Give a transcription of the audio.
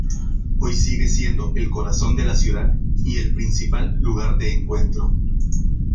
Hoy sigue siendo el corazón de la ciudad y el principal lugar de encuentro.